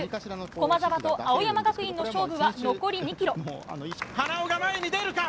駒澤と青山学院の勝負は残り２ｋｍ。